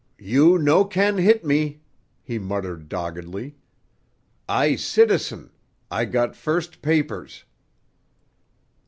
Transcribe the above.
"You no can hit me," he muttered doggedly. "I citizen; I got first papers."